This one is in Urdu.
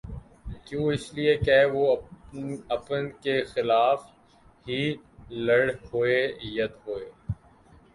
کیوں اس لیے کہہ وہ اپن کیخلاف ہی لڑ ہوئے ید ہوئے